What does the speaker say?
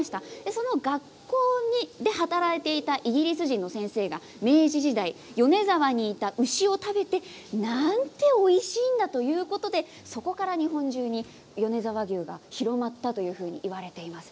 その学校で働いていたイギリス人の先生が明治時代米沢にいた牛を食べてなんておいしいんだということでそこから日本中に米沢牛が広がったといわれています。